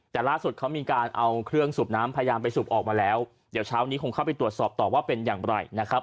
แต่ล่าสุดเขามีการเอาเครื่องสูบน้ำพยายามไปสูบออกมาแล้วเดี๋ยวเช้านี้คงเข้าไปตรวจสอบต่อว่าเป็นอย่างไรนะครับ